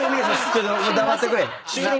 ちょっと黙ってくれ。